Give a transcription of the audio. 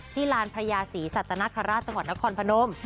ลานพระยาศรีสัตนคราชจังหวัดนครพนม